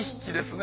ね。